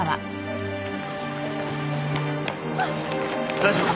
大丈夫か？